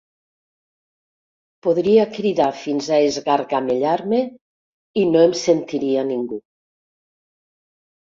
Podria cridar fins a esgargamellar-me i no em sentiria ningú.